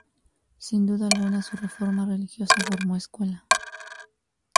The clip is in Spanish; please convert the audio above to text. Sin duda alguna su reforma religiosa formó escuela.